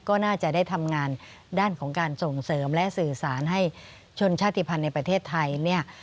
ก็น่าจะได้ทำงานด้านของการส่งเสริมและสื่อสารให้ชนชาติภัณฑ์ในประเทศไทยเนี่ย